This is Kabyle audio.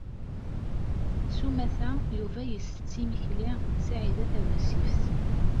S umata, Yuba isett imekli d Saɛida Tawasift.